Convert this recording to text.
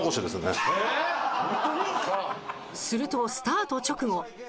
すると、スタート直後